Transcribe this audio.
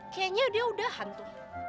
kayaknya dia udah hantu